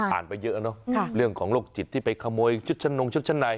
ไปเยอะเนอะเรื่องของโรคจิตที่ไปขโมยชุดชะนงชุดชั้นใน